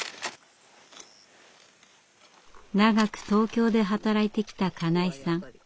長く東京で働いてきた金井さん。